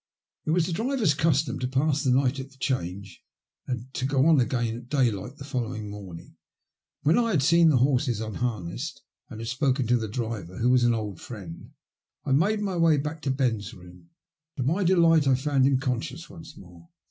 It was the driver's custom to pass the night at the Change, and to go on again at daylight the following morning. When I had seen the horses unharnessed and had spoken to the driver, who was an old friend, I made my way back to Ben's room. To my delight I found him conscious once more.